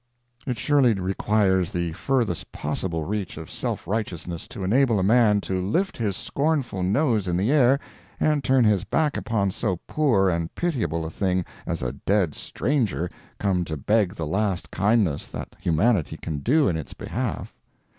It surely requires the furthest possible reach of self righteousness to enable a man to lift his scornful nose in the air and turn his back upon so poor and pitiable a thing as a dead stranger come to beg the last kindness that humanity can do in its behalf.